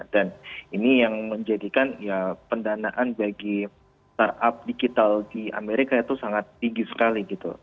dan ini yang menjadikan ya pendanaan bagi startup digital di amerika itu sangat tinggi